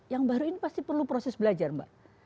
yang baru ini pasti perlu proses belajar mbak